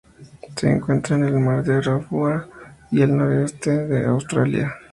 Se encuentran en el Mar de Arafura y al noroeste de Australia.